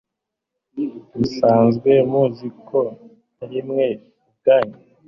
musanzwe muzi ko ari mwe ubwanyu